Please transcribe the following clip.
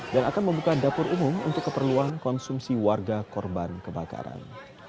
dan akan membuka dapur umum untuk keperluan konsumsi warga korban kebakaran